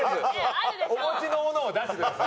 お持ちのものを出してください。